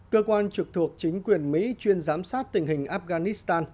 cơ quan trực thuộc chính quyền mỹ chuyên giám sát tình hình afghanistan